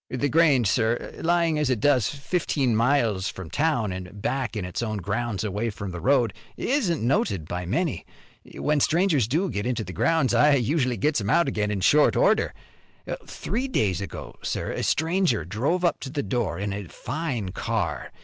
"The Grange, sir, lying as it does, fifteen miles from town an' back in its own grounds away from the road, isn't noted by many. When strangers do get into the grounds I usually gets 'em out again in short order. Three days ago, sir, a stranger drove up to the door in a fine car.